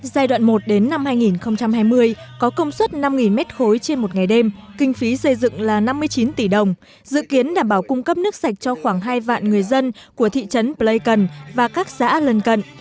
giai đoạn một đến năm hai nghìn hai mươi có công suất năm m ba trên một ngày đêm kinh phí xây dựng là năm mươi chín tỷ đồng dự kiến đảm bảo cung cấp nước sạch cho khoảng hai vạn người dân của thị trấn blaikan và các xã lần cận